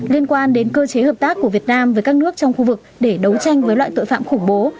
liên quan đến cơ chế hợp tác của việt nam với các nước trong khu vực để đấu tranh với loại tội phạm khủng bố